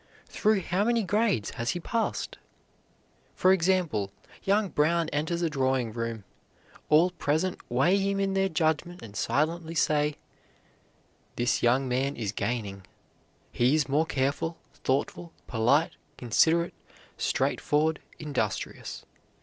Through how many grades has he passed?" For example, young Brown enters a drawing room. All present weigh him in their judgment and silently say, "This young man is gaining; he is more careful, thoughtful, polite, considerate, straightforward, industrious."